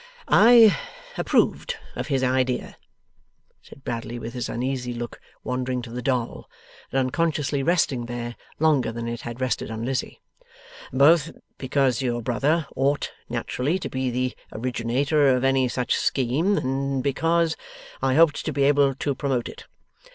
'I approved of his idea,' said Bradley, with his uneasy look wandering to the doll, and unconsciously resting there longer than it had rested on Lizzie, 'both because your brother ought naturally to be the originator of any such scheme, and because I hoped to be able to promote it.